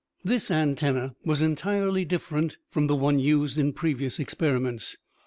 This antenna was entirely different from the one used in previous experiments.